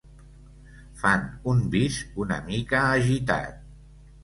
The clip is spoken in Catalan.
Fan un bis una mica agitat.